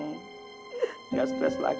nggak stres lagi mak